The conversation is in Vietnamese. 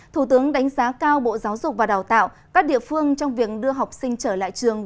thủ tướng đánh giá cao bộ giáo dục và đào tạo các địa phương trong việc đưa học sinh trở lại trường